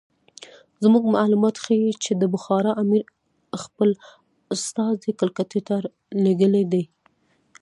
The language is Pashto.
زموږ معلومات ښیي چې د بخارا امیر خپل استازي کلکتې ته لېږلي دي.